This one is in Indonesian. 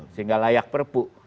sehingga layak perpu